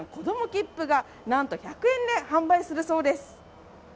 きっぷがなんと１００円で販売するそうです。